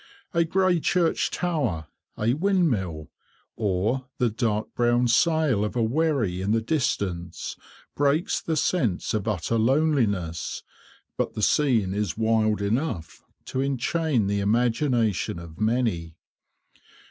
A grey church tower, a windmill, or the dark brown sail of a wherry in the distance breaks the sense of utter loneliness, but the scene is wild enough to enchain the imagination of many.